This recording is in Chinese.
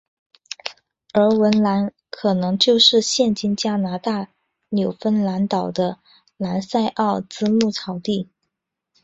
而文兰可能就是现今加拿大纽芬兰岛的兰塞奥兹牧草地。